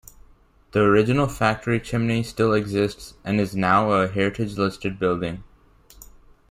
The original factory chimney still exists and is now a heritage-listed building.